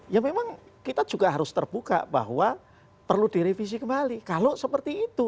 ya memang kita juga harus terbuka bahwa perlu direvisi kembali kalau seperti itu